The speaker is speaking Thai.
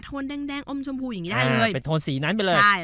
นแดงแดงอมชมพูอย่างนี้ได้เลยเป็นโทนสีนั้นไปเลยใช่